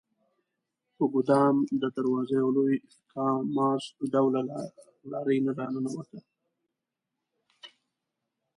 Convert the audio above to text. په ګدام د دروازه یو لوی کاماز ډوله لارۍ راننوته.